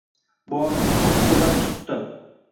Borini qo’shqo’llab tutdi